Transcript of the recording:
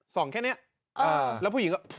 ส่องแค่เนี้ยแล้วผู้หญิงก็